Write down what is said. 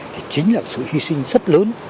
thì chính là sự hy sinh rất lớn